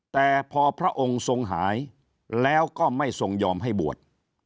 แต่พอพระองค์ทรงหายแล้วก็ไม่ทรงยอมให้บวช